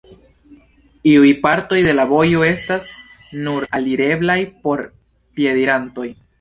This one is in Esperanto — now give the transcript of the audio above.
Iuj partoj de la vojo estas nur alireblaj por piedirantoj.